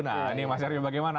nah ini mas nyarwi bagaimana